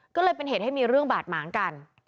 ก็เลยเป็นเหตุให้มีเรื่องบาดหมางกัน